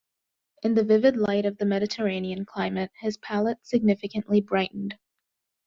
In the vivid light of the Mediterranean climate his palette significantly brightened.